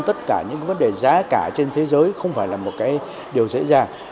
tất cả những vấn đề giá cả trên thế giới không phải là một cái điều dễ dàng